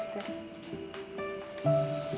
iya terima kasih sisten